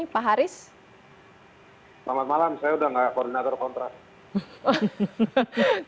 selamat malam saya sudah tidak koordinator kontras